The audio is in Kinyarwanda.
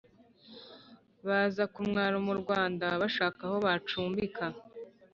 baza kumwaro wurwanda bashaka aho bacumbika